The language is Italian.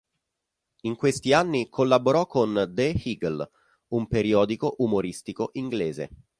In questi anni collaborò con "The Eagle", un periodico umoristico inglese.